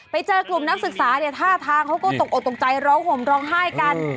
ไปเจอกลุ่มนักศึกษาเนี่ยท่าทางเขาก็ตกออกตกใจร้องห่มร้องไห้กัน